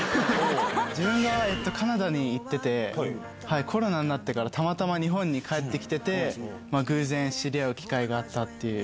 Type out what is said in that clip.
自分がカナダに行ってて、コロナになってから、たまたま日本に帰ってきてて、偶然知り合う機会があったという。